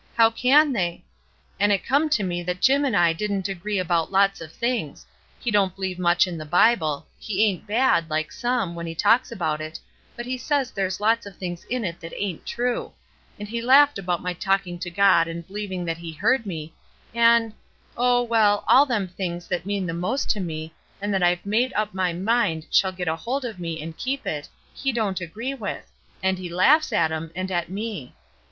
' How can they?' An' it come to me that Jim an' I didn't agree about lots of things. He don' b'lieve much in the Bible; he ain't bad, like some, when he talks about it, but he says there's lots of things in it that ain't true; and he laughed about my talking to God and b'lieving that He heard me, an' — oh, well, all them things that mean the most to me, and that I've made up my mind shall get a hold of me and keep it, he don't agree with, and he laughs at 'em, and at me.